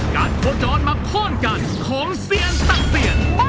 การโทรจรมาคล่อนกันของเสียงต่างเสียง